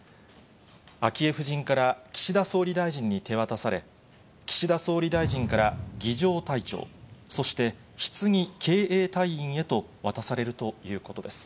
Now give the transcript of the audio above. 昭恵夫人から岸田総理大臣に手渡され、岸田総理大臣から儀じょう隊長、そして棺警衛隊員へと渡されるということです。